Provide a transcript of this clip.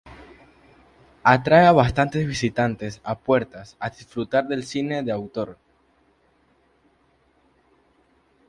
Atrae a bastantes visitantes a Puertas a disfrutar del cine de autor.